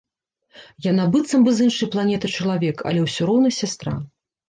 Яна быццам бы з іншай планеты чалавек, але ўсё роўна сястра.